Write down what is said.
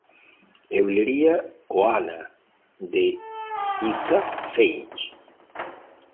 Eu leria Ohana da Isa Feij